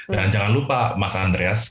dan jangan lupa mas andreas